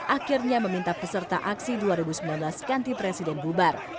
akhirnya meminta peserta aksi dua ribu sembilan belas ganti presiden bubar